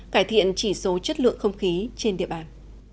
cải thiện chỉ số chất lượng không khí trên địa bàn